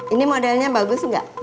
ini modelnya bagus gak